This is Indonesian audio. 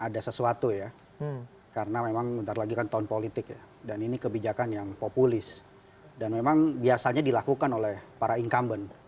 dan memang biasanya dilakukan oleh para incumbent